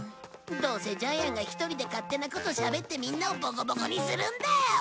どうせジャイアンが一人で勝手なことしゃべってみんなをボコボコにするんだよ。